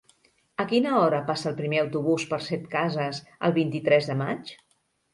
A quina hora passa el primer autobús per Setcases el vint-i-tres de maig?